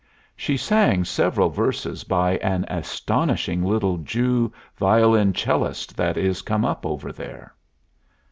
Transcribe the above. She sang several verses by an astonishing little Jew violin cellist that is come up over there."